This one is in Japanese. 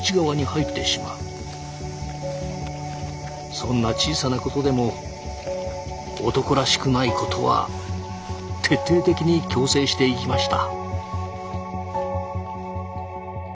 そんな小さなことでも「男らしくない」ことは徹底的に矯正していきました。